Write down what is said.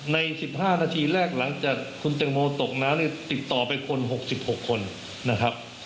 ในสิบห้านาทีแรกหลังจากคุณเต็มโมตกนะติดต่อไปคนหกสิบหกคนนะครับ